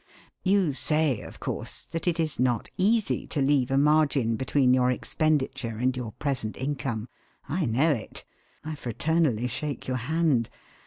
You say, of course, that it is not easy to leave a margin between your expenditure and your present income. I know it. I fraternally shake your hand.